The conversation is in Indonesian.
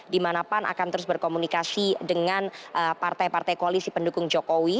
di mana pan akan terus berkomunikasi dengan partai partai koalisi pendukung jokowi